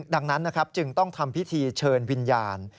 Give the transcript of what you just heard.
ดังนั้นนะครับจึงต้องทำพิธีเชิญวิญญาณ